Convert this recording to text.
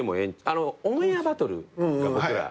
『オンエアバトル』が僕ら。